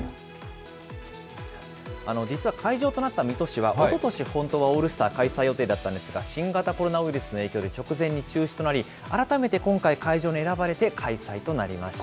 実は会場となった水戸市はおととし、本当はオールスター開催予定だったんですが、新型コロナウイルスの影響で直前に中止となり、改めて今回、会場に選ばれて開催となりました。